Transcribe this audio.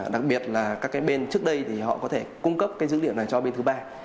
đặc biệt là các cái bên trước đây thì họ có thể cung cấp cái dữ liệu này cho bên thứ ba